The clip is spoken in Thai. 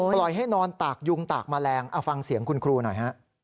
ปล่อยให้นอนตากยุงตากแมลงเอาฟังเสียงคุณครูหน่อยฮะ